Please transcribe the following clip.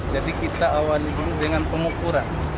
jadi kita awal ini dengan pengukuran